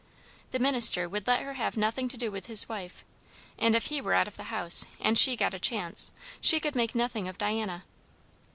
The minister would let her have nothing to do with his wife; and if he were out of the house and she got a chance, she could make nothing of Diana.